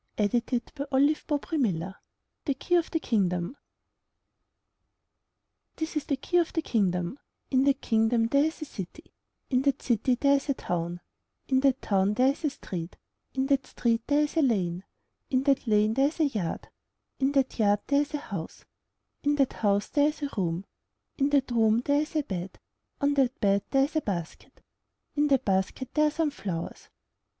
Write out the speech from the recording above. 9B IN THE NURSERY THE KEY OF THE KINGDOM This is the key of the Kingdom — In that Kingdom there is a city; In that city there is a town; In that town there is a street; In that street there is a lane; In that lane there is a yard; In that yard there is a house; In that house there is a room; In that room there is a bed; On that bed there is a basket; In that basket there are some flowers.